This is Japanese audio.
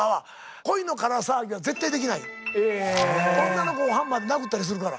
女の子をハンマーで殴ったりするから。